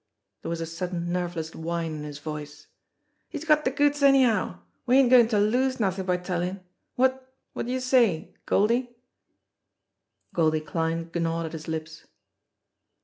There was a sudden nerveless whine in his voice. "He's got de goods anyhow. We ain't goin' to lose nothin' by tellin'. Wot wot d'youse say, Goldie?" Goldie Kline gnawed at his lips.